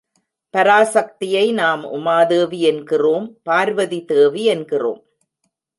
பராசக்தியை நாம் உமாதேவி என்கிறோம் பார்வதி தேவி என்கிறோம்.